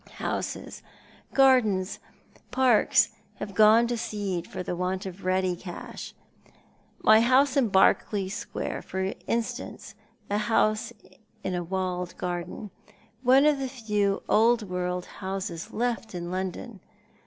Houses, gardens, parks have gone to seed for want of ready cash. My house in Berkeley Square, for instance — a house in a walled garden — one of the few old world houses left in London.